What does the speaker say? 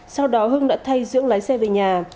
sau đó hưng đã thay dưỡng lái xe về nhà